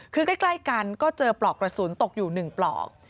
คือใกล้กันก็เจอปลอกกระสุนตกอยู่๑ปลอก